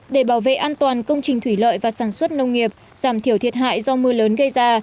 để bảo vệ an toàn công trình thủy lợi và sản xuất nông nghiệp giảm thiểu thiệt hại do mưa lớn gây ra